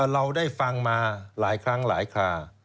เราได้ฟังมาหลายครั้งหลายครา